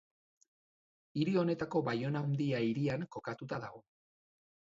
Hiri honetako Baiona Handia hirian kokatua dago.